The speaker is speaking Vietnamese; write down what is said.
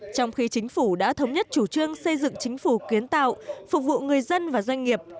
trong khi chính phủ đã thống nhất chủ trương xây dựng chính phủ kiến tạo phục vụ người dân và doanh nghiệp